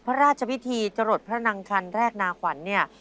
พระราชพิธีจรดพระนางคันแรกนาขวัญเนี่ย